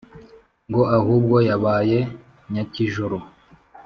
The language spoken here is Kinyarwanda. Ngo ahubwo yabaye nyakijoro